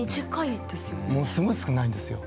ものすごい少ないんです。